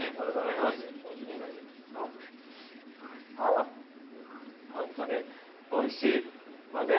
あ、本当においしいわね。